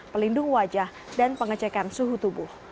pelindung wajah dan pengecekan suhu tubuh